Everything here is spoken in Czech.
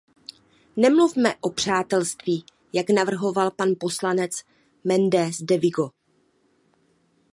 Nemluvme o přátelství, jak navrhoval pan poslanec Méndez de Vigo.